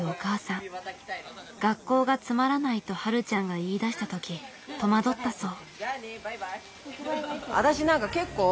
学校がつまらないとはるちゃんが言いだしたとき戸惑ったそう。